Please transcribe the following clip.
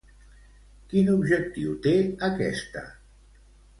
Quin objectiu té aquesta?